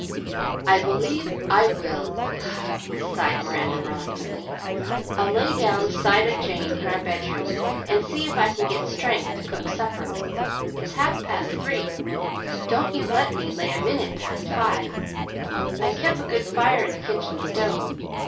"I believe I will," sighed Miranda reluctantly. "I'll lay down side o' Jane in our bedroom and see if I can get strength to cook supper. It's half past three don't you let me lay a minute past five. I kep' a good fire in the kitchen stove.